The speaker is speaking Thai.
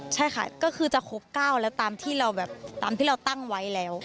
ใช่ค่ะก็คือจะคบก้าวแล้วตามที่เราตั้งไว้แล้ว